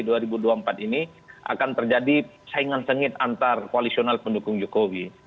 ada kecenderungan di dua ribu dua puluh empat ini akan terjadi saingan sengit antar koalisional pendukung jokowi